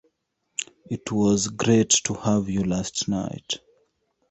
It was great to have you last night!